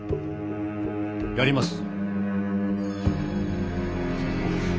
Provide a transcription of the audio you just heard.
やります。